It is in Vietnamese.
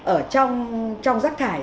ở trong rác thải